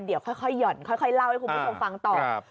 เดี๋ยวค่อยห่อนค่อยเล่าให้คุณผู้ชมฟังต่อ